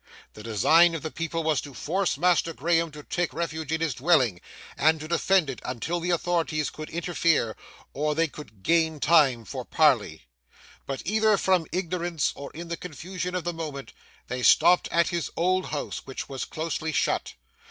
The design of the people was to force Master Graham to take refuge in his dwelling, and to defend it until the authorities could interfere, or they could gain time for parley. But either from ignorance or in the confusion of the moment they stopped at his old house, which was closely shut.